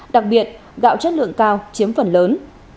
đặc biệt gạo chất lượng cao chiếm phần lớn